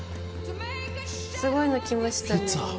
すごいの来ましたね。